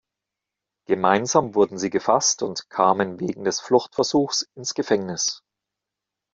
Gemeinsam wurden sie gefasst und kamen wegen des Fluchtversuchs ins Gefängnis.